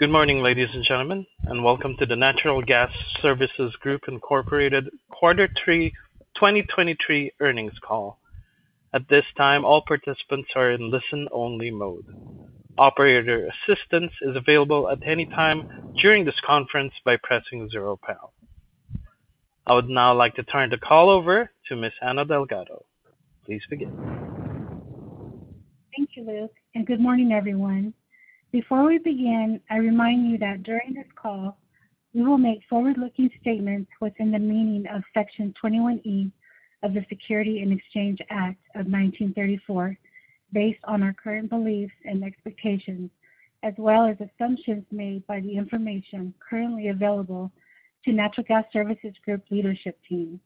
Good morning, ladies and gentlemen, and welcome to the Natural Gas Services Group Incorporated Quarter 3 2023 earnings call. At this time, all participants are in listen-only mode. Operator assistance is available at any time during this conference by pressing zero pound. I would now like to turn the call over to Miss Anna Delgado. Please begin. Thank you, Luke, and good morning, everyone. Before we begin, I remind you that during this call, we will make forward-looking statements within the meaning of Section 21E of the Securities and Exchange Act of 1934, based on our current beliefs and expectations, as well as assumptions made by the information currently available to Natural Gas Services Group leadership team.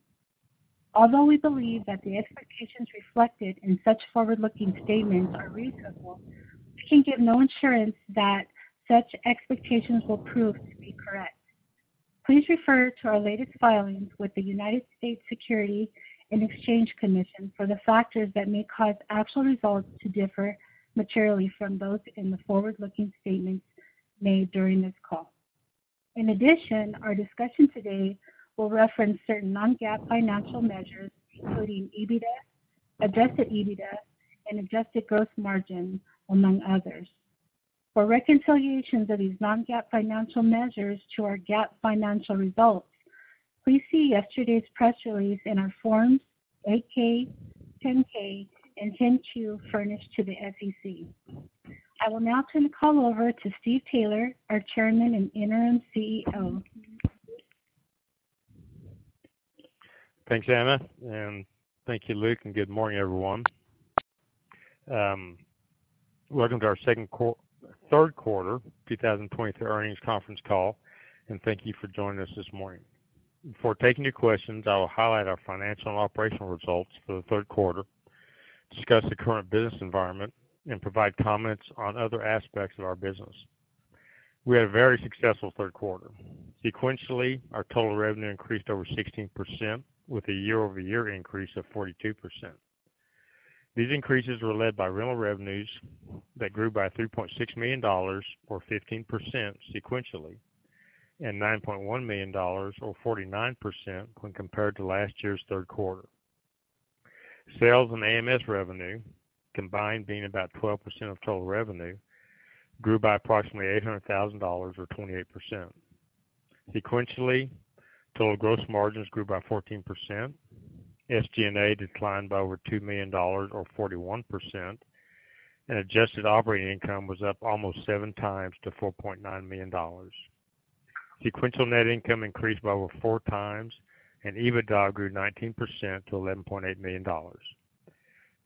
Although we believe that the expectations reflected in such forward-looking statements are reasonable, we can give no assurance that such expectations will prove to be correct. Please refer to our latest filings with the U.S. Securities and Exchange Commission for the factors that may cause actual results to differ materially from those in the forward-looking statements made during this call. In addition, our discussion today will reference certain non-GAAP financial measures, including EBITDA, Adjusted EBITDA, and adjusted gross margin, among others. For reconciliations of these non-GAAP financial measures to our GAAP financial results, please see yesterday's press release in our Form 8-K, 10-K, and 10-Q furnished to the SEC. I will now turn the call over to Steve Taylor, our Chairman and Interim CEO. Thanks, Anna, and thank you, Luke, and good morning, everyone. Welcome to our third quarter 2023 earnings conference call, and thank you for joining us this morning. Before taking your questions, I will highlight our financial and operational results for the third quarter, discuss the current business environment, and provide comments on other aspects of our business. We had a very successful third quarter. Sequentially, our total revenue increased over 16%, with a year-over-year increase of 42%. These increases were led by rental revenues that grew by $3.6 million or 15% sequentially, and $9.1 million, or 49% when compared to last year's third quarter. Sales and AMS revenue, combined being about 12% of total revenue, grew by approximately $800,000 or 28%. Sequentially, total gross margins grew by 14%. SG&A declined by over $2 million or 41%, and adjusted operating income was up almost 7x to $4.9 million. Sequential net income increased by over 4x, and EBITDA grew 19% to $11.8 million.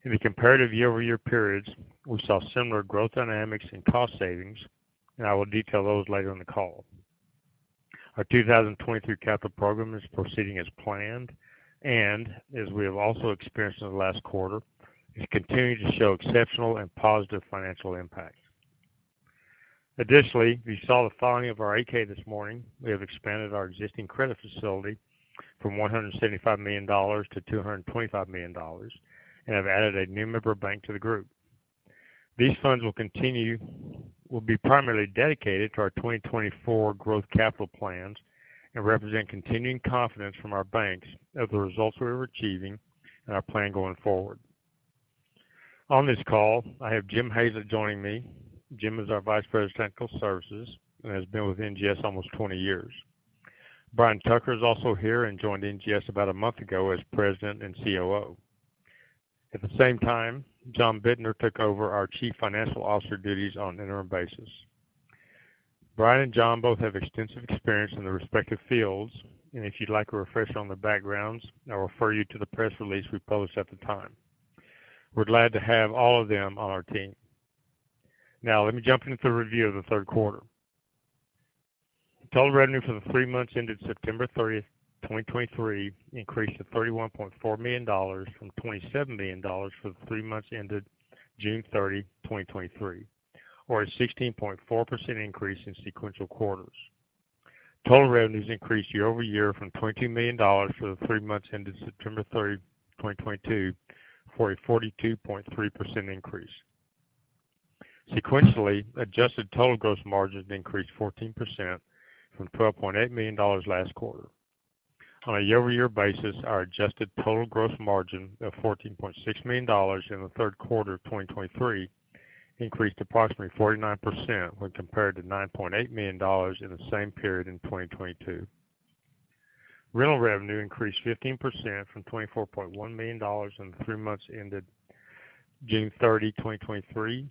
In the comparative year-over-year periods, we saw similar growth dynamics and cost savings, and I will detail those later in the call. Our 2023 capital program is proceeding as planned, and as we have also experienced in the last quarter, it continues to show exceptional and positive financial impact. Additionally, we saw the filing of our 8-K this morning. We have expanded our existing credit facility from $175 million to $225 million and have added a new member bank to the group. These funds will continue... will be primarily dedicated to our 2024 growth capital plans and represent continuing confidence from our banks of the results we're achieving and our plan going forward. On this call, I have Jim Hayes joining me. Jim is our Vice President of Technical Services and has been with NGS almost 20 years. Brian Tucker is also here and joined NGS about a month ago as President and COO. At the same time, John Bittner took over our Chief Financial Officer duties on an interim basis. Brian and John both have extensive experience in their respective fields, and if you'd like a refresher on their backgrounds, I'll refer you to the press release we posted at the time. We're glad to have all of them on our team. Now, let me jump into the review of the third quarter. Total revenue for the three months ended September 30, 2023, increased to $31.4 million from $27 million for the three months ended June 30, 2023, or a 16.4% increase in sequential quarters. Total revenues increased year-over-year from $22 million for the three months ended September 30, 2022, for a 42.3% increase. Sequentially, adjusted total gross margins increased 14% from $12.8 million last quarter. On a year-over-year basis, our adjusted total gross margin of $14.6 million in the third quarter of 2023 increased approximately 49% when compared to $9.8 million in the same period in 2022. Rental revenue increased 15% from $24.1 million in the three months ended June 30, 2023,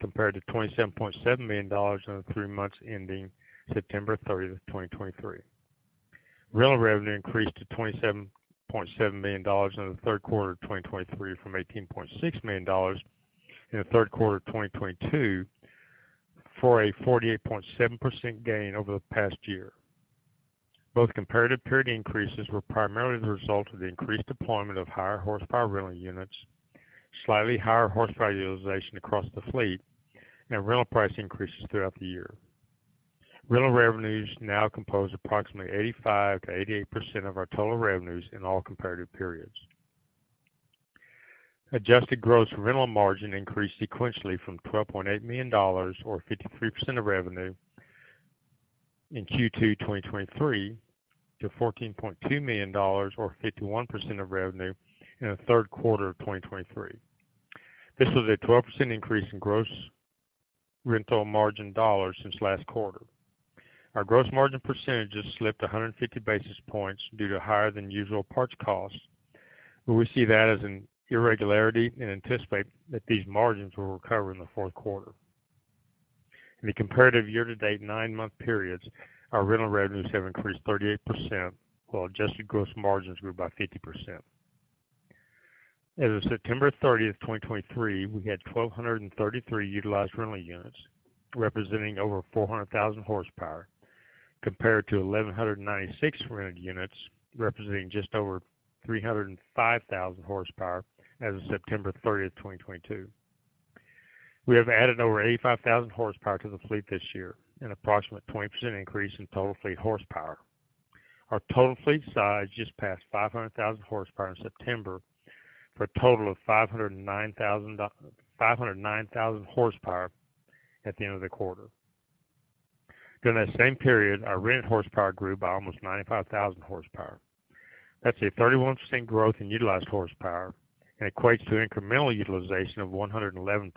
compared to $27.7 million in the three months ending September 30, 2023. Rental revenue increased to $27.7 million in the third quarter of 2023 from $18.6 million in the third quarter of 2022, for a 48.7% gain over the past year. Both comparative period increases were primarily the result of the increased deployment of higher horsepower rental units, slightly higher horsepower utilization across the fleet, and rental price increases throughout the year. Rental revenues now compose approximately 85%-88% of our total revenues in all comparative periods. Adjusted gross rental margin increased sequentially from $12.8 million or 53% of revenue in Q2 2023, to $14.2 million or 51% of revenue in the third quarter of 2023. This was a 12% increase in gross rental margin dollars since last quarter. Our gross margin percentages slipped 150 basis points due to higher than usual parts costs, but we see that as an irregularity and anticipate that these margins will recover in the fourth quarter. In the comparative year-to-date nine-month periods, our rental revenues have increased 38%, while adjusted gross margins grew by 50%. As of September 30, 2023, we had 1,233 utilized rental units, representing over 400,000 horsepower, compared to 1,196 rented units, representing just over 305,000 horsepower as of September 30, 2022. We have added over 85,000 horsepower to the fleet this year, an approximate 20% increase in total fleet horsepower. Our total fleet size just passed 500,000 horsepower in September, for a total of 509,000 horsepower at the end of the quarter. During that same period, our rented horsepower grew by almost 95,000 horsepower. That's a 31% growth in utilized horsepower and equates to incremental utilization of 111%.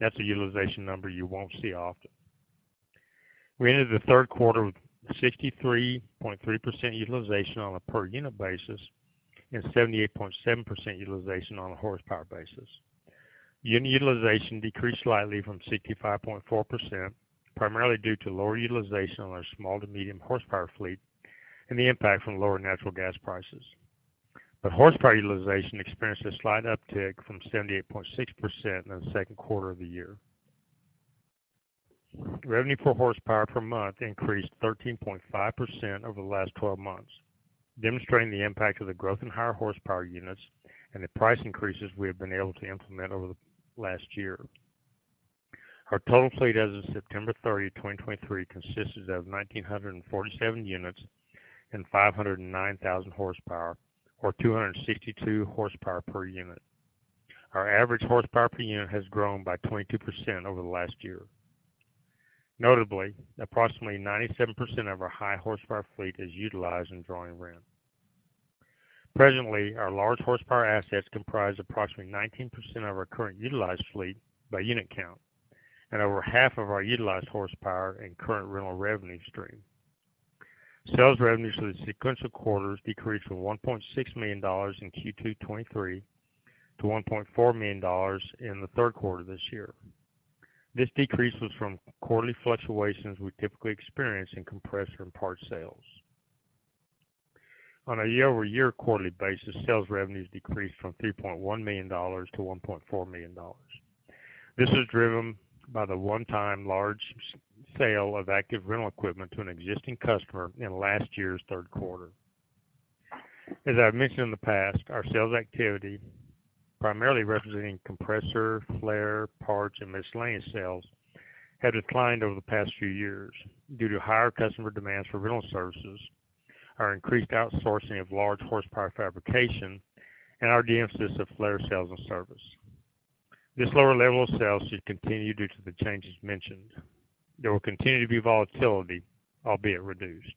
That's a utilization number you won't see often. We ended the third quarter with 63.3% utilization on a per unit basis and 78.7% utilization on a horsepower basis. Unit utilization decreased slightly from 65.4%, primarily due to lower utilization on our small to medium horsepower fleet and the impact from lower natural gas prices. But horsepower utilization experienced a slight uptick from 78.6% in the second quarter of the year. Revenue per horsepower per month increased 13.5% over the last twelve months, demonstrating the impact of the growth in higher horsepower units and the price increases we have been able to implement over the last year. Our total fleet as of September 30, 2023, consisted of 1,947 units and 509,000 horsepower, or 262 horsepower per unit. Our average horsepower per unit has grown by 22% over the last year. Notably, approximately 97% of our high horsepower fleet is utilized in drawing rent. Presently, our large horsepower assets comprise approximately 19% of our current utilized fleet by unit count and over half of our utilized horsepower and current rental revenue stream. Sales revenues for the sequential quarters decreased from $1.6 million in Q2 2023 to $1.4 million in the third quarter this year. This decrease was from quarterly fluctuations we typically experience in compressor and parts sales. On a year-over-year quarterly basis, sales revenues decreased from $3.1 million to $1.4 million. This is driven by the one-time large sale of active rental equipment to an existing customer in last year's third quarter. As I've mentioned in the past, our sales activity, primarily representing compressor, flare, parts, and miscellaneous sales, have declined over the past few years due to higher customer demands for rental services, our increased outsourcing of large horsepower fabrication, and our de-emphasis of flare sales and service. This lower level of sales should continue due to the changes mentioned. There will continue to be volatility, albeit reduced.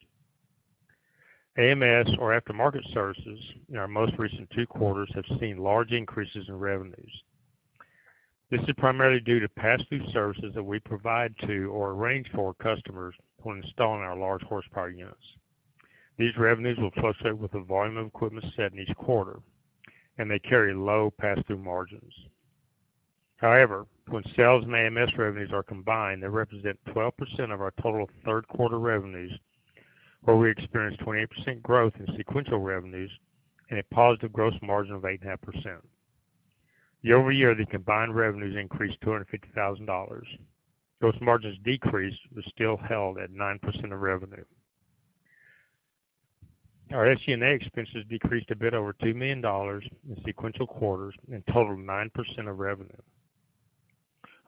AMS, or after-market services, in our most recent two quarters, have seen large increases in revenues. This is primarily due to pass-through services that we provide to or arrange for customers when installing our large horsepower units. These revenues will fluctuate with the volume of equipment set in each quarter, and they carry low pass-through margins. However, when sales and AMS revenues are combined, they represent 12% of our total third quarter revenues, where we experienced 28% growth in sequential revenues and a positive gross margin of 8.5%. Year-over-year, the combined revenues increased $250,000. Gross margins decreased, but still held at 9% of revenue. Our SG&A expenses decreased a bit over $2 million in sequential quarters and total of 9% of revenue.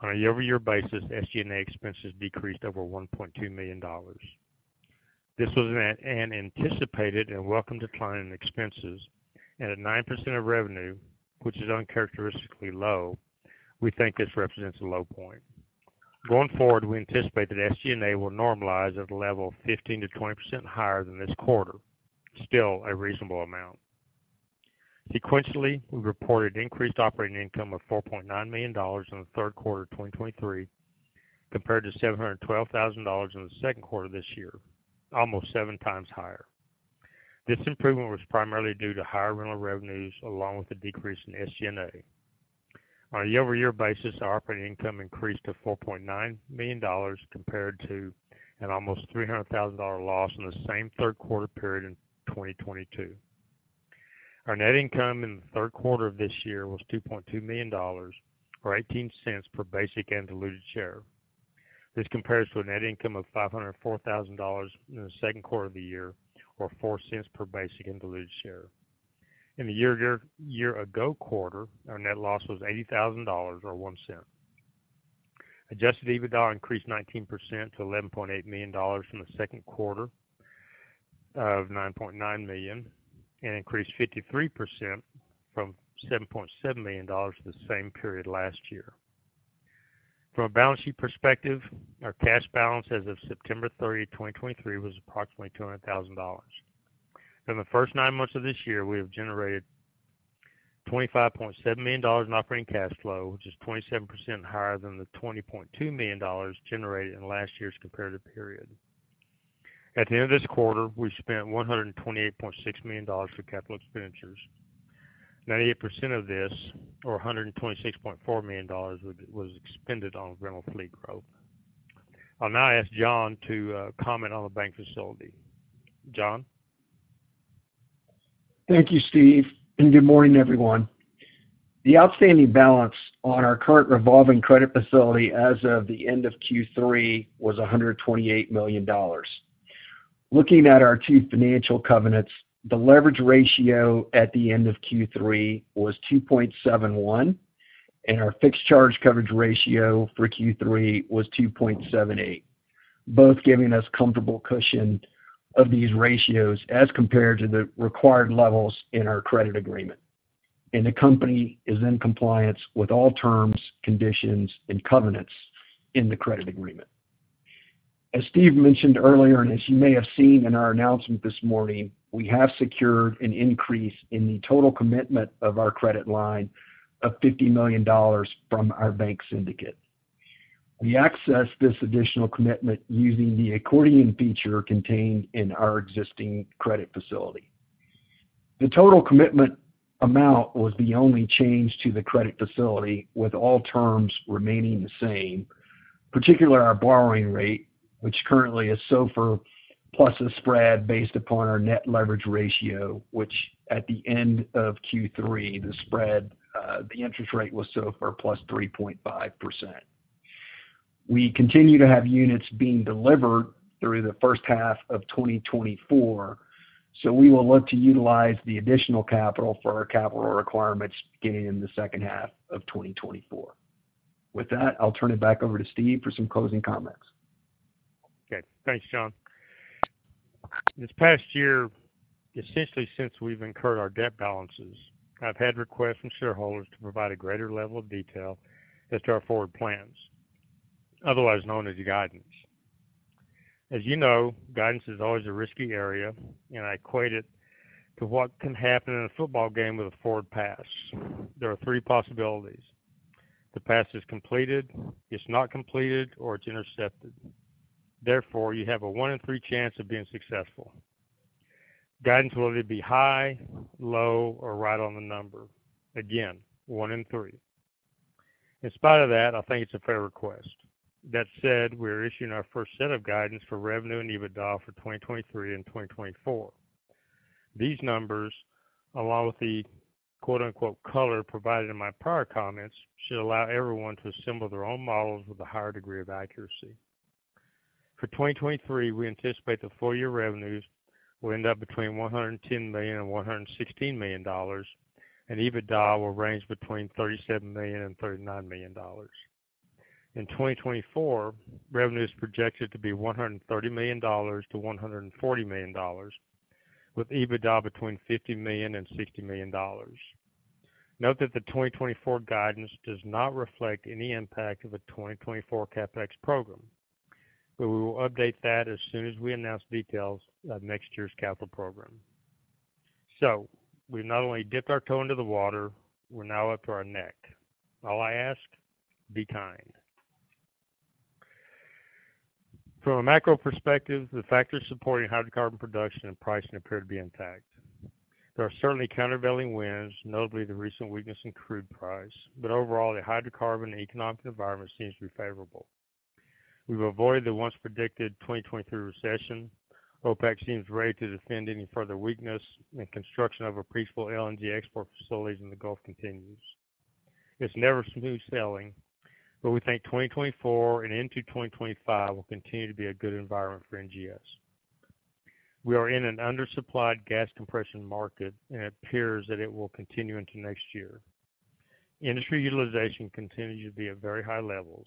On a year-over-year basis, SG&A expenses decreased over $1.2 million. This was an anticipated and welcome decline in expenses and at 9% of revenue, which is uncharacteristically low, we think this represents a low point. Going forward, we anticipate that SG&A will normalize at a level 15%-20% higher than this quarter. Still a reasonable amount. Sequentially, we reported increased operating income of $4.9 million in the third quarter of 2023, compared to $712,000 in the second quarter this year, almost 7x higher. This improvement was primarily due to higher rental revenues, along with the decrease in SG&A. On a year-over-year basis, our operating income increased to $4.9 million, compared to an almost $300,000 dollar loss in the same third quarter period in 2022. Our net income in the third quarter of this year was $2.2 million, or 18 cents per basic and diluted share. This compares to a net income of $504,000 in the second quarter of the year, or 4 cents per basic and diluted share. In the year-over-year ago quarter, our net loss was $80,000, or $0.01. Adjusted EBITDA increased 19% to $11.8 million from the second quarter of $9.9 million, and increased 53% from $7.7 million the same period last year. From a balance sheet perspective, our cash balance as of September 30, 2023, was approximately $200,000. In the first nine months of this year, we have generated $25.7 million in operating cash flow, which is 27% higher than the $20.2 million generated in last year's comparative period. At the end of this quarter, we spent $128.6 million for capital expenditures. 98% of this, or $126.4 million, was expended on rental fleet growth. I'll now ask John to comment on the bank facility. John? Thank you, Steve, and good morning, everyone. The outstanding balance on our current revolving credit facility as of the end of Q3 was $128 million. Looking at our two financial covenants, the leverage ratio at the end of Q3 was 2.71, and our fixed charge coverage ratio for Q3 was 2.78, both giving us comfortable cushion of these ratios as compared to the required levels in our credit agreement. The company is in compliance with all terms, conditions, and covenants in the credit agreement. As Steve mentioned earlier, and as you may have seen in our announcement this morning, we have secured an increase in the total commitment of our credit line of $50 million from our bank syndicate. We accessed this additional commitment using the accordion feature contained in our existing credit facility. The total commitment amount was the only change to the credit facility, with all terms remaining the same, particularly our borrowing rate, which currently is SOFR plus a spread based upon our net leverage ratio, which at the end of Q3, the spread, the interest rate was SOFR plus 3.5%. We continue to have units being delivered through the first half of 2024, so we will look to utilize the additional capital for our capital requirements beginning in the second half of 2024. With that, I'll turn it back over to Steve for some closing comments. Okay, thanks, John. This past year, essentially, since we've incurred our debt balances, I've had requests from shareholders to provide a greater level of detail as to our forward plans, otherwise known as guidance. As you know, guidance is always a risky area, and I equate it to what can happen in a football game with a forward pass. There are three possibilities: the pass is completed, it's not completed, or it's intercepted. Therefore, you have a one in three chance of being successful. Guidance will either be high, low, or right on the number. Again, one in three. In spite of that, I think it's a fair request. That said, we're issuing our first set of guidance for revenue and EBITDA for 2023 and 2024. These numbers, along with the quote-unquote color provided in my prior comments, should allow everyone to assemble their own models with a higher degree of accuracy. For 2023, we anticipate the full-year revenues will end up between $110 million and $116 million, and EBITDA will range between $37 million and $39 million. In 2024, revenue is projected to be $130 million-$140 million, with EBITDA between $50 million and $60 million. Note that the 2024 guidance does not reflect any impact of a 2024 CapEx program, but we will update that as soon as we announce details of next year's capital program. So we've not only dipped our toe into the water, we're now up to our neck. All I ask, be kind. From a macro perspective, the factors supporting hydrocarbon production and pricing appear to be intact. There are certainly countervailing winds, notably the recent weakness in crude price, but overall, the hydrocarbon economic environment seems to be favorable. We've avoided the once predicted 2023 recession. OPEC seems ready to defend any further weakness, and construction of appreciable LNG export facilities in the Gulf continues. It's never smooth sailing, but we think 2024 and into 2025 will continue to be a good environment for NGS. We are in an undersupplied gas compression market, and it appears that it will continue into next year. Industry utilization continues to be at very high levels,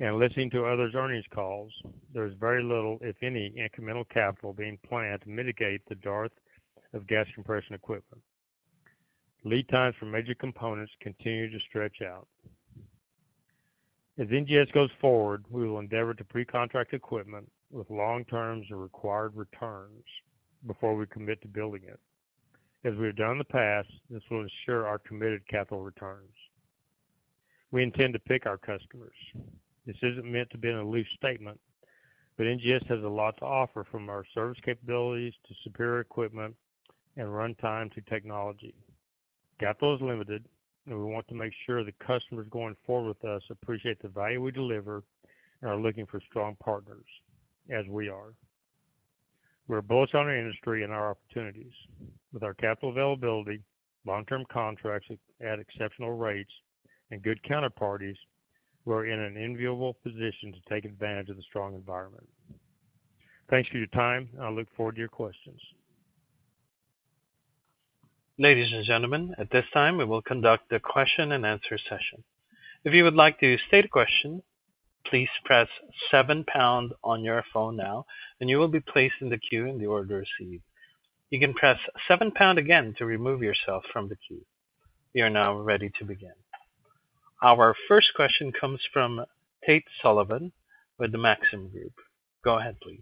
and listening to others' earnings calls, there is very little, if any, incremental capital being planned to mitigate the dearth of gas compression equipment. Lead times for major components continue to stretch out. As NGS goes forward, we will endeavor to pre-contract equipment with long terms and required returns before we commit to building it. As we have done in the past, this will ensure our committed capital returns. We intend to pick our customers. This isn't meant to be a loose statement, but NGS has a lot to offer, from our service capabilities, to superior equipment, and runtime to technology. Capital is limited, and we want to make sure the customers going forward with us appreciate the value we deliver and are looking for strong partners, as we are. We're bullish on our industry and our opportunities. With our capital availability, long-term contracts at exceptional rates and good counterparties, we're in an enviable position to take advantage of the strong environment. Thanks for your time, and I look forward to your questions.... Ladies and gentlemen, at this time, we will conduct a question-and-answer session. If you would like to state a question, please press seven pound on your phone now, and you will be placed in the queue in the order received. You can press seven pound again to remove yourself from the queue. We are now ready to begin. Our first question comes from Tate Sullivan with the Maxim Group. Go ahead, please.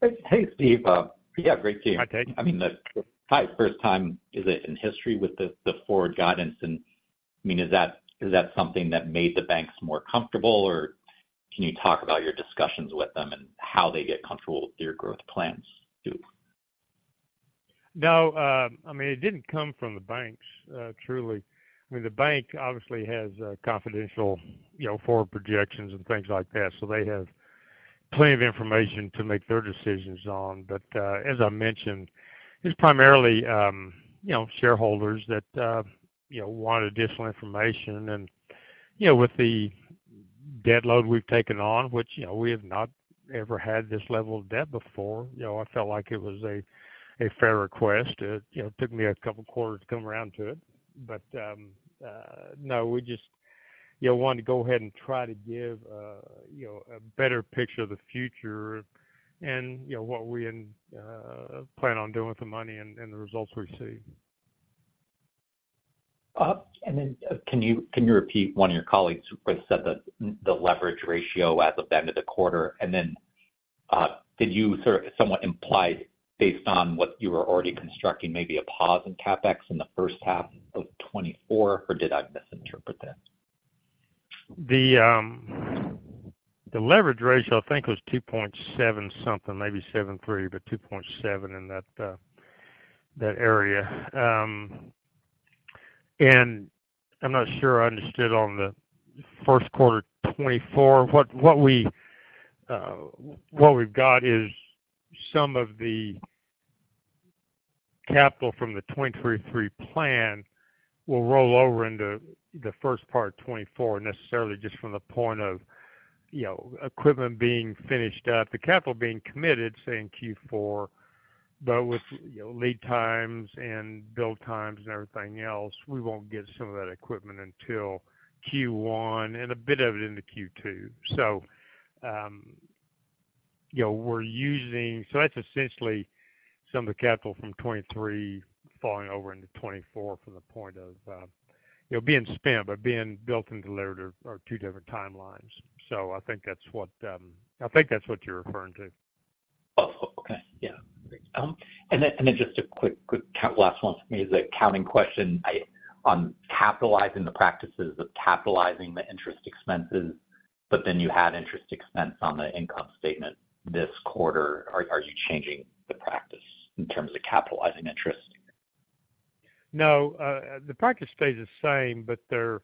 Hey, hey, Steve. Yeah, great to you. Hi, Tate. I mean, probably the first time in history with the forward guidance, and I mean, is that something that made the banks more comfortable, or can you talk about your discussions with them and how they get comfortable with your growth plans too? No, I mean, it didn't come from the banks, truly. I mean, the bank obviously has a confidential, you know, forward projections and things like that, so they have plenty of information to make their decisions on. But, as I mentioned, it's primarily, you know, shareholders that, you know, want additional information and, you know, with the debt load we've taken on, which, you know, we have not ever had this level of debt before, you know, I felt like it was a fair request. It, you know, took me a couple of quarters to come around to it. But, no, we just, you know, wanted to go ahead and try to give, you know, a better picture of the future and, you know, what we, plan on doing with the money and, the results we see. And then, can you, can you repeat one of your colleagues who said that the leverage ratio as of the end of the quarter, and then, did you sort of somewhat implied, based on what you were already constructing, maybe a pause in CapEx in the first half of 2024, or did I misinterpret that? The leverage ratio, I think, was 2.7 something, maybe 2.73, but 2.7 in that area. I'm not sure I understood on the first quarter 2024. What we've got is some of the capital from the 2023 plan will roll over into the first part of 2024, necessarily just from the point of, you know, equipment being finished up, the capital being committed, say, in Q4, but with, you know, lead times and build times and everything else, we won't get some of that equipment until Q1 and a bit of it into Q2. So, you know, we're using, so that's essentially some of the capital from 2023 falling over into 2024 from the point of, it being spent, but being built and delivered are two different timelines. I think that's what, I think that's what you're referring to. Oh, okay. Yeah. And then just a quick last one for me is an accounting question. I on capitalizing the practices of capitalizing the interest expenses, but then you had interest expense on the income statement this quarter. Are you changing the practice in terms of capitalizing interest? No, the practice stays the same, but there,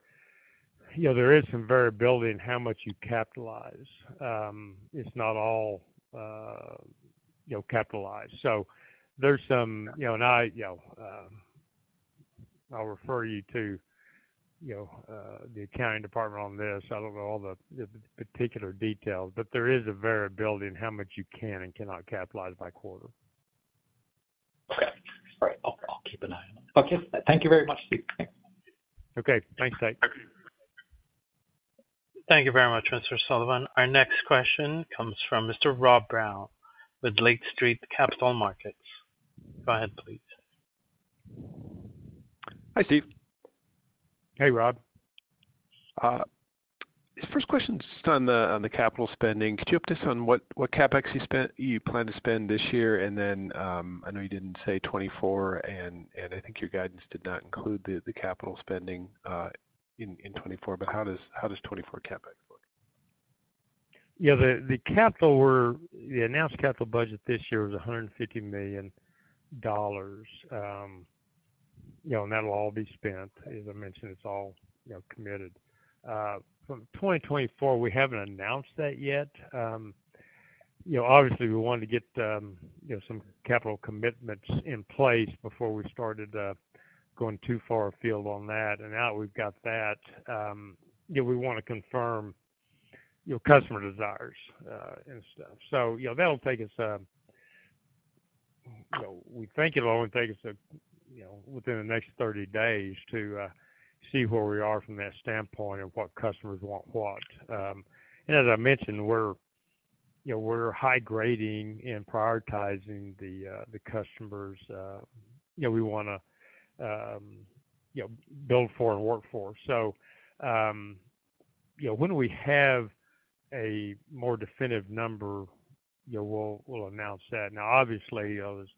you know, there is some variability in how much you capitalize. It's not all, you know, capitalized. So there's some, you know, and I, you know, I'll refer you to, you know, the accounting department on this. I don't know all the particular details, but there is a variability in how much you can and cannot capitalize by quarter. Okay. All right. I'll, I'll keep an eye on it. Okay. Thank you very much, Steve. Okay, thanks, Tate. Thank you very much, Mr. Sullivan. Our next question comes from Mr. Rob Brown with Lake Street Capital Markets. Go ahead, please. Hi, Steve. Hey, Rob. The first question is on the capital spending. Could you update us on what CapEx you spent, you plan to spend this year? And then, I know you didn't say 2024, and I think your guidance did not include the capital spending in 2024, but how does 2024 CapEx look? Yeah, the announced capital budget this year was $150 million, you know, and that'll all be spent. As I mentioned, it's all, you know, committed. For 2024, we haven't announced that yet. You know, obviously, we wanted to get, you know, some capital commitments in place before we started going too far afield on that. And now that we've got that, you know, we want to confirm, you know, customer desires and stuff. So, you know, that'll take us, so we think it'll only take us, you know, within the next 30 days to see where we are from that standpoint of what customers want what. And as I mentioned, we're, you know, we're high-grading and prioritizing the customers, you know, we wanna, you know, build for and work for. So, you know, when we have a more definitive number, you know, we'll, we'll announce that. Now, obviously, there's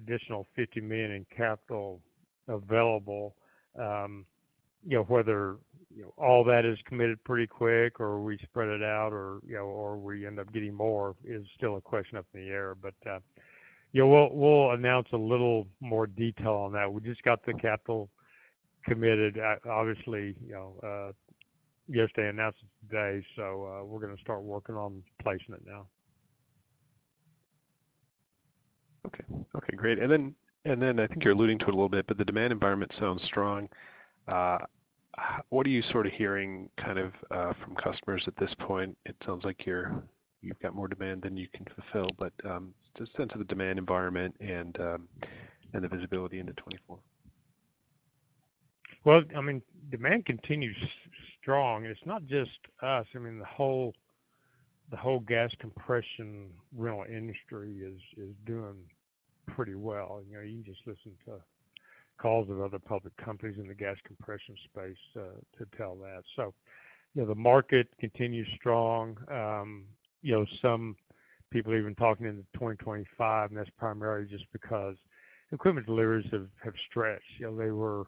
additional $50 million in capital available, you know, whether, you know, all that is committed pretty quick or we spread it out or, you know, or we end up getting more is still a question up in the air. But, yeah, we'll, we'll announce a little more detail on that. We just got the capital committed. Obviously, you know, yesterday, announcements today, so, we're going to start working on placing it now. Okay. Okay, great. And then, and then I think you're alluding to it a little bit, but the demand environment sounds strong. What are you sort of hearing, kind of, from customers at this point? It sounds like you're, you've got more demand than you can fulfill, but, just sense of the demand environment and, and the visibility into 2024. Well, I mean, demand continues strong. It's not just us. I mean, the whole gas compression rental industry is doing pretty well. You know, you can just listen to calls of other public companies in the gas compression space to tell that. So, you know, the market continues strong. You know, some people are even talking into 2025, and that's primarily just because equipment deliveries have stretched. You know, they were,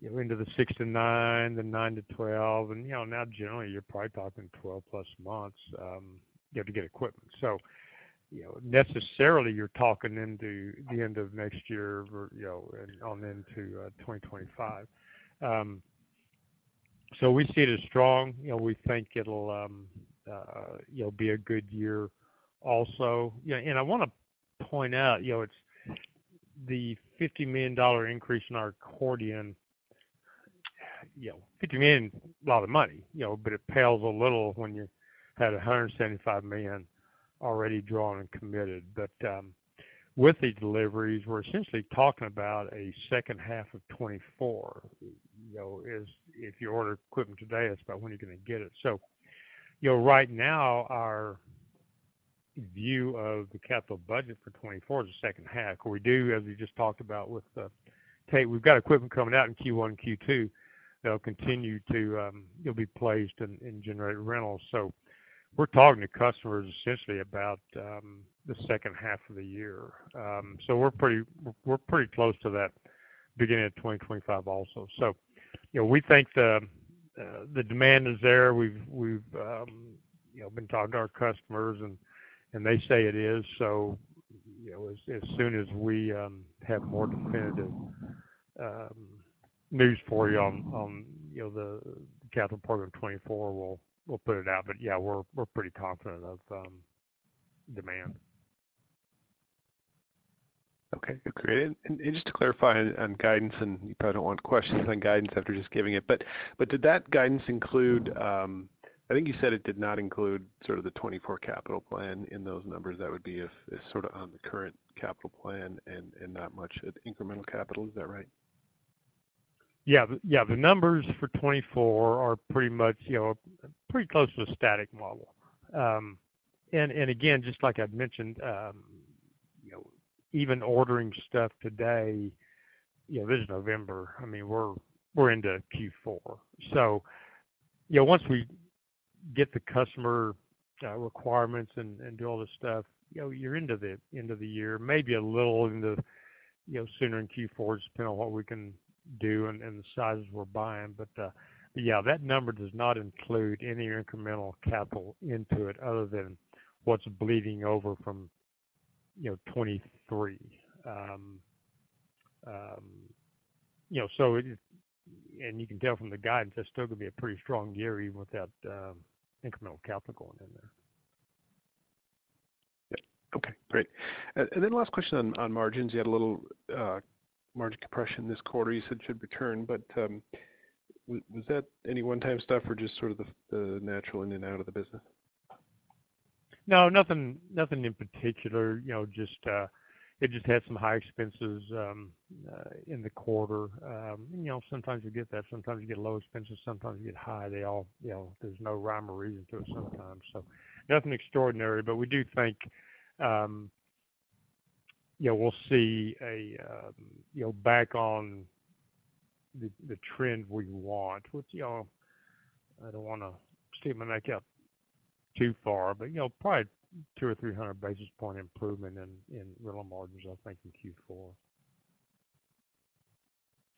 you know, into the 6-9, the 9-12, and, you know, now generally, you're probably talking 12+ months you have to get equipment. So, you know, necessarily, you're talking into the end of next year, or, you know, and on into 2025. So we see it as strong. You know, we think it'll you know, be a good year also. You know, and I want to point out, you know, it's the $50 million increase in our accordion, you know, $50 million is a lot of money, you know, but it pales a little when you had $175 million already drawn and committed. But with these deliveries, we're essentially talking about a second half of 2024, you know, is if you order equipment today, it's about when you're going to get it. So, you know, right now, our view of the capital budget for 2024 is the second half. We do, as you just talked about with Tate, we've got equipment coming out in Q1, Q2, that'll continue to, it'll be placed and generate rentals. So we're talking to customers essentially about the second half of the year. So, we're pretty close to that beginning of 2025 also. So, you know, we think the demand is there. We've you know, been talking to our customers and they say it is. So, you know, as soon as we have more definitive news for you on you know, the capital program of 2024, we'll put it out. But yeah, we're pretty confident of demand. Okay, great. And just to clarify on guidance, and you probably don't want questions on guidance after just giving it, but did that guidance include? I think you said it did not include sort of the 2024 capital plan in those numbers. That would be if sort of on the current capital plan and not much of incremental capital. Is that right? Yeah. Yeah, the numbers for 2024 are pretty much, you know, pretty close to a static model. And again, just like I'd mentioned, you know, even ordering stuff today, you know, this is November. I mean, we're, we're into Q4. So, you know, once we get the customer requirements and do all this stuff, you know, you're into the end of the year, maybe a little into, you know, sooner in Q4, just depending on what we can do and the sizes we're buying. But, yeah, that number does not include any incremental capital into it other than what's bleeding over from, you know, 2023. You know, so it, and you can tell from the guidance, that's still going to be a pretty strong year, even without incremental capital going in there. Okay, great. And then last question on margins. You had a little margin compression this quarter. You said it should return, but was that any one-time stuff or just sort of the natural in and out of the business? No, nothing, nothing in particular. You know, just, it just had some high expenses in the quarter. You know, sometimes you get that, sometimes you get low expenses, sometimes you get high. They all, you know, there's no rhyme or reason to it sometimes. So nothing extraordinary, but we do think, yeah, we'll see a, you know, back on the trend we want, which, you know, I don't want to stick my neck out too far, but, you know, probably 200 or 300 basis point improvement in rental margins, I think, in Q4.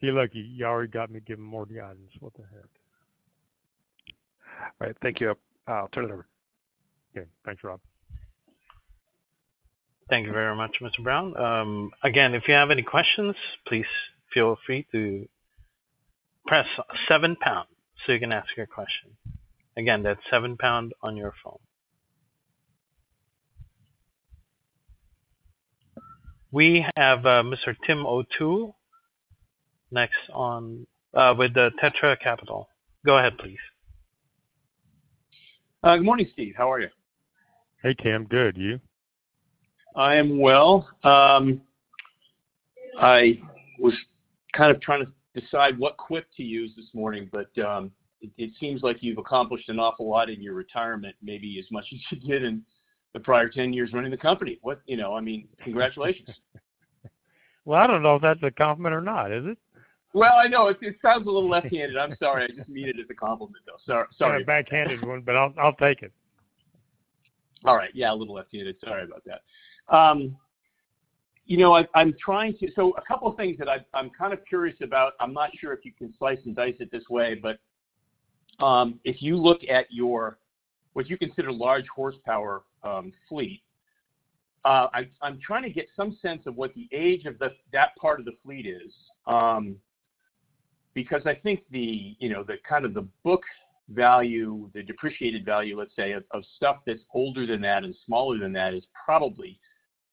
See, look, you already got me giving more guidance. What the heck? All right. Thank you. I'll turn it over. Okay. Thanks, Rob. Thank you very much, Mr. Brown. Again, if you have any questions, please feel free to press seven pound, so you can ask your question. Again, that's seven pound on your phone. We have Mr. Tim O'Toole next on with the Teton Capital. Go ahead, please. Good morning, Steve. How are you? Hey, Tim. Good. You? I am well. I was kind of trying to decide what quip to use this morning, but it seems like you've accomplished an awful lot in your retirement, maybe as much as you did in the prior 10 years running the company. What? You know, I mean, congratulations. Well, I don't know if that's a compliment or not. Is it? Well, I know it sounds a little left-handed. I'm sorry. I just mean it as a compliment, though. Sorry. Sorry. A backhanded one, but I'll, I'll take it. All right. Yeah, a little left-handed. Sorry about that. You know, I'm trying to... So a couple of things that I've—I'm kind of curious about. I'm not sure if you can slice and dice it this way, but if you look at your what you consider large horsepower fleet, I'm trying to get some sense of what the age of that part of the fleet is. Because I think the you know the kind of book value, the depreciated value, let's say, of stuff that's older than that and smaller than that is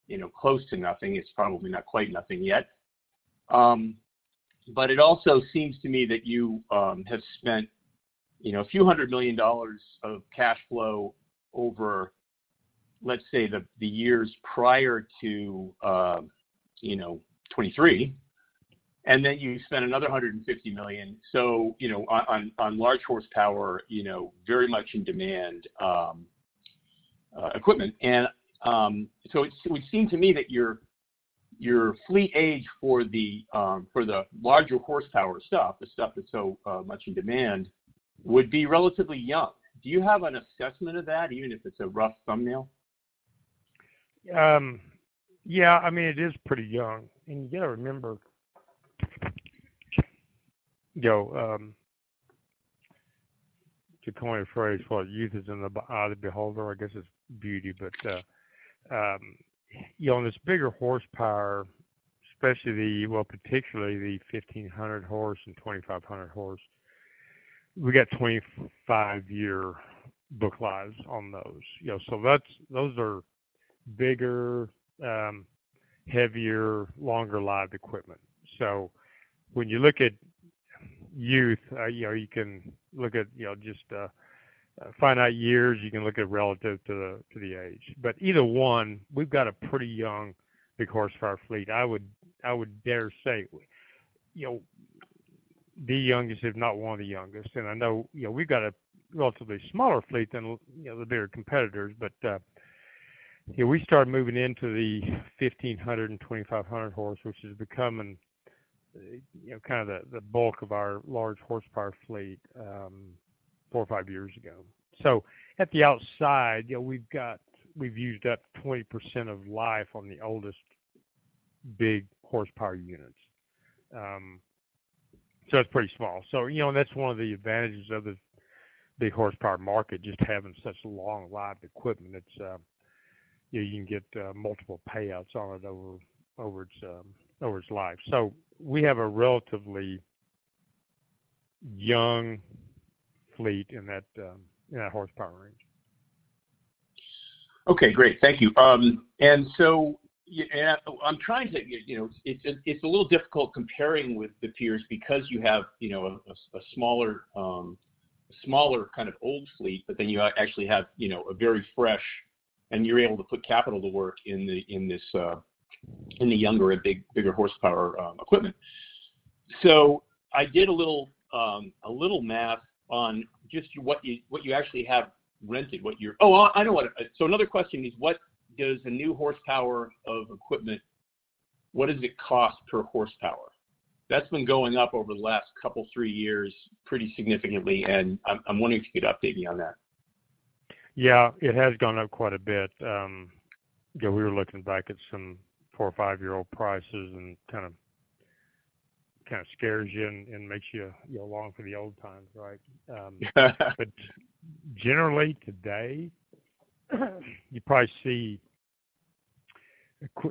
probably—you know, close to nothing. It's probably not quite nothing yet. But it also seems to me that you have spent, you know, a few $100 million of cash flow over, let's say, the years prior to, you know, 2023, and then you spent another $150 million. So, you know, on large horsepower, you know, very much in demand, equipment. And so it would seem to me that your fleet age for the larger horsepower stuff, the stuff that's so much in demand, would be relatively young. Do you have an assessment of that, even if it's a rough thumbnail? Yeah, I mean, it is pretty young, and you got to remember, you know, to coin a phrase, well, youth is in the eye of the beholder, I guess it's beauty. But, you know, on this bigger horsepower, especially the, well, particularly the 1500 horsepower and 2500 horsepower, we got 25-year book lives on those. You know, so that's-- those are bigger, heavier, longer-lived equipment. So when you look at youth, you know, you can look at, you know, just, finite years, you can look at relative to the, to the age. But either one, we've got a pretty young, big horsepower fleet. I would, I would dare say, you know, the youngest, if not one of the youngest. And I know, you know, we've got a relatively smaller fleet than, you know, the bigger competitors. But we started moving into the 1500 and 2500 horse, which is becoming, you know, kind of the, the bulk of our large horsepower fleet, four or five years ago. So at the outside, you know, we've got we've used up 20% of life on the oldest big horsepower units. So it's pretty small. So, you know, that's one of the advantages of the big horsepower market, just having such a long life equipment, it's, you know, you can get multiple payouts on it over its life. So we have a relatively young fleet in that horsepower range. Okay, great. Thank you. And so, yeah, I'm trying to, you know, it's, it's a little difficult comparing with the peers because you have, you know, a smaller kind of old fleet, but then you actually have, you know, a very fresh and you're able to put capital to work in the, in this, in the younger and big, bigger horsepower equipment. So I did a little math on just what you actually have rented, what your... Oh, I know what. So another question is, what does a new horsepower of equipment cost per horsepower? That's been going up over the last couple, three years pretty significantly, and I'm wondering if you could update me on that. Yeah, it has gone up quite a bit. We were looking back at some 4- or 5-year-old prices, and kind of scares you and makes you long for the old times, right? But generally today, you probably see,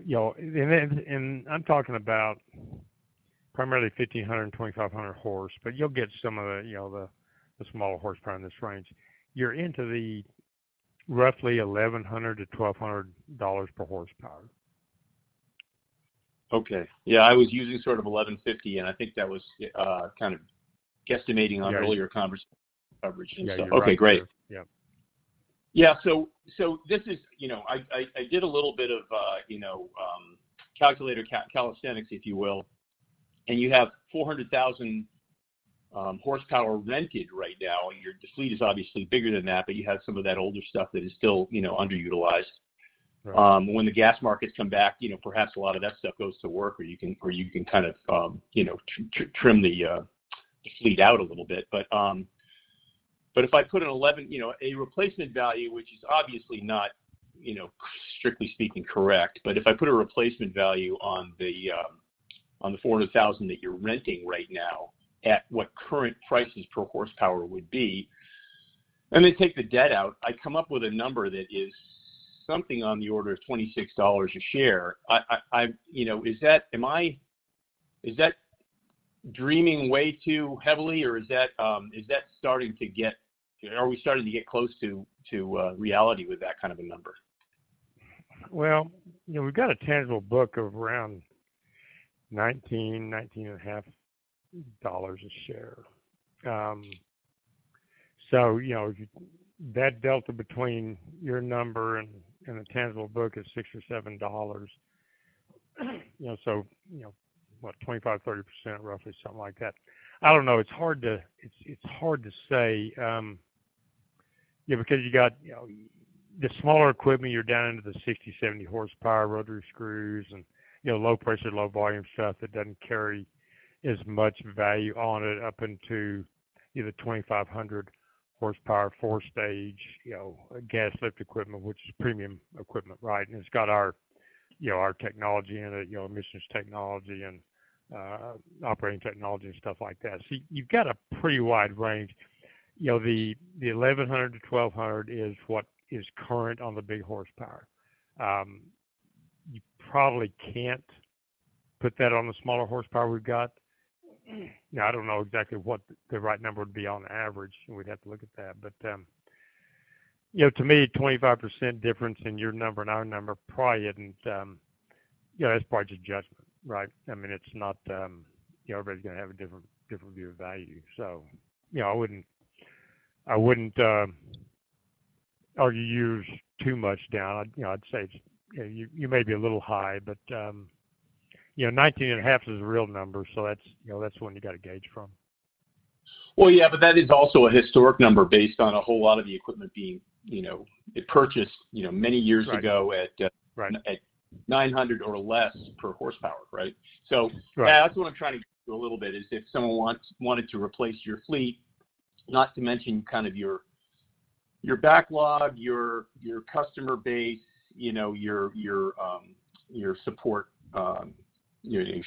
you know, and I'm talking about primarily 1,500 and 2,500 horse, but you'll get some of the, you know, the smaller horsepower in this range. You're into the roughly $1,100-$1,200 per horsepower. Okay. Yeah, I was using sort of 1,150, and I think that was kind of guesstimating on earlier conversation coverage. Yeah, you are right. Okay, great. Yeah. Yeah. So, so this is, you know, I, I did a little bit of, you know, calculator calisthenics, if you will, and you have 400,000 horsepower rented right now. Your fleet is obviously bigger than that, but you have some of that older stuff that is still, you know, underutilized. Right. When the gas markets come back, you know, perhaps a lot of that stuff goes to work, or you can kind of, you know, trim the fleet out a little bit. But if I put an 11, you know, a replacement value, which is obviously not, you know, strictly speaking, correct, but if I put a replacement value on the 400,000 that you're renting right now at what current prices per horsepower would be, and then take the debt out, I come up with a number that is something on the order of $26 a share. I, you know, is that, am I, is that dreaming way too heavily, or is that starting to get, are we starting to get close to reality with that kind of a number? Well, you know, we've got a tangible book of around $19-$19.5 a share. So, you know, that delta between your number and the tangible book is $6 or $7. You know, so, you know, what, 25%-30%, roughly, something like that. I don't know. It's hard to say, yeah, because you got, you know, the smaller equipment, you're down into the 60-70 horsepower rotary screws, and, you know, low pressure, low volume stuff that doesn't carry as much value on it up into either 2,500 horsepower, four-stage, you know, gas lift equipment, which is premium equipment, right? And it's got our, you know, our technology in it, you know, emissions technology and operating technology and stuff like that. So you've got a pretty wide range. You know, the 1,100-1,200 is what is current on the big horsepower. You probably can't put that on the smaller horsepower we've got? Yeah, I don't know exactly what the right number would be on average. We'd have to look at that. But, you know, to me, 25% difference in your number and our number probably isn't, you know, that's part adjustment, right? I mean, it's not, you know, everybody's gonna have a different, different view of value. So, you know, I wouldn't, I wouldn't argue yours too much down. You know, I'd say it's, you, you may be a little high, but, you know, 19.5 is a real number, so that's, you know, that's one you got to gauge from. Well, yeah, but that is also a historic number based on a whole lot of the equipment being, you know, it purchased, you know, many years ago- Right. At $900 or less per horsepower, right? Right. So that's what I'm trying to get a little bit, is if someone wanted to replace your fleet, not to mention kind of your backlog, your customer base, you know, your support equipment and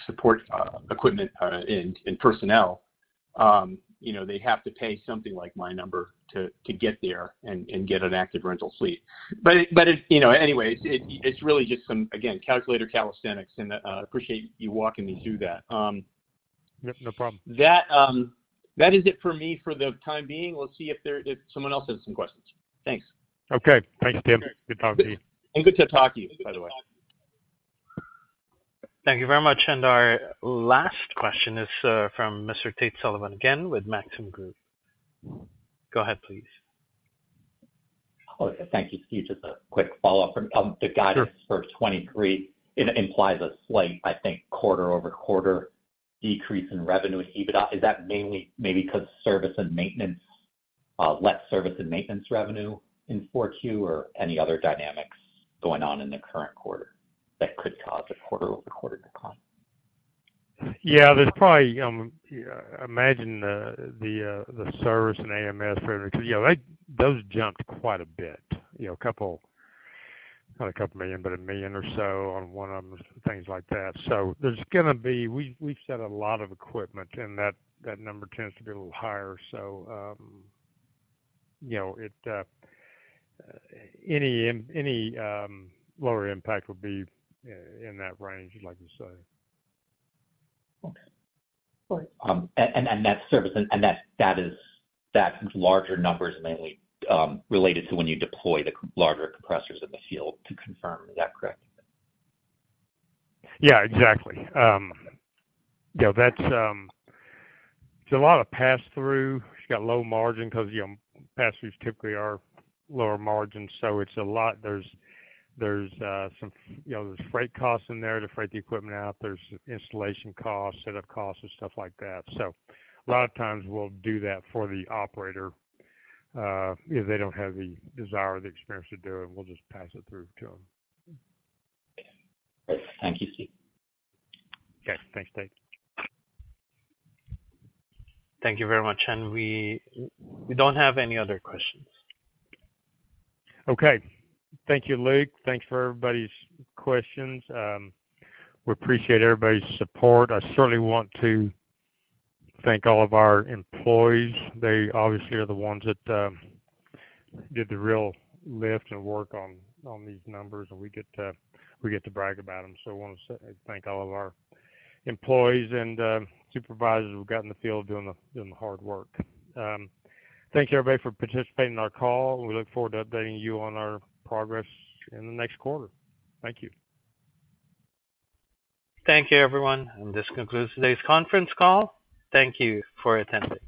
personnel, you know, they have to pay something like my number to get there and get an active rental fleet. But it, you know, anyway, it's really just some, again, calculator calisthenics, and I appreciate you walking me through that. Yep, no problem. That, that is it for me for the time being. Let's see if there, if someone else has some questions. Thanks. Okay. Thanks, Tim. Good talking to you. Good to talk to you, by the way. Thank you very much. And our last question is from Mr. Tate Sullivan, again, with Maxim Group. Go ahead, please. Oh, thank you, Steve. Just a quick follow-up from, Sure. The guidance for 2023, it implies a slight, I think, quarter-over-quarter decrease in revenue and EBITDA. Is that mainly maybe because service and maintenance, less service and maintenance revenue in Q4, or any other dynamics going on in the current quarter that could cause a quarter-over-quarter decline? Yeah, there's probably imagine the service and AMS, right? Because, you know, those jumped quite a bit, you know, a couple, not $2 million, but $1 million or so on one of them, things like that. So there's gonna be... We've set a lot of equipment, and that number tends to be a little higher. So, you know, any lower impact would be in that range, like you say. Okay. And that service, that larger number is mainly related to when you deploy the larger compressors in the field, to confirm. Is that correct? Yeah, exactly. You know, that's, it's a lot of pass-through. It's got low margin because, you know, pass-throughs typically are lower margin, so it's a lot. There's, there's some, you know, there's freight costs in there to freight the equipment out, there's installation costs, setup costs, and stuff like that. So a lot of times we'll do that for the operator, if they don't have the desire or the experience to do it, we'll just pass it through to them. Okay. Thank you, Steve. Okay. Thanks, Tate. Thank you very much. We don't have any other questions. Okay. Thank you, Luke. Thanks for everybody's questions. We appreciate everybody's support. I certainly want to thank all of our employees. They obviously are the ones that did the real lift and work on these numbers, and we get to brag about them. So I want to say thank all of our employees and supervisors who got in the field doing the hard work. Thank you, everybody, for participating in our call. We look forward to updating you on our progress in the next quarter. Thank you. Thank you, everyone, and this concludes today's conference call. Thank you for attending.